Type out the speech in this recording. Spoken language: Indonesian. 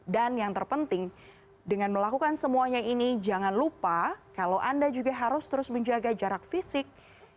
dan yang terpenting dengan melakukan semuanya ini jangan lupa kalau anda juga harus terus menjaga jarak fisik